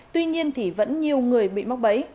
tuy nhiên thì vẫn nhiều người bị móc bấy